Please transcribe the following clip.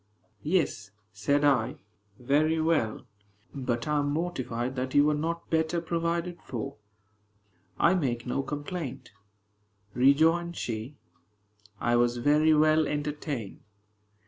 "Yes," said I, "very well; but I am mortified that you were not better provided for." "I make no complaint," rejoined she; "I was very well entertained."